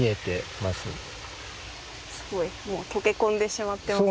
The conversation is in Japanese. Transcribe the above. すごい溶け込んでしまってますね。